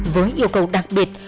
với yêu cầu đặc biệt